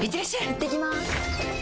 いってきます！